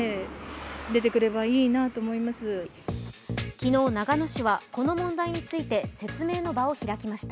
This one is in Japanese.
昨日、長野市はこの問題について説明の場を開きました。